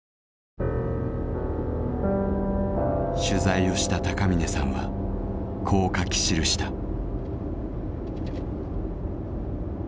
取材をした高峰さんはこう書き記した。